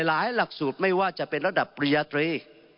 หลักสูตรไม่ว่าจะเป็นระดับปริญญาตรี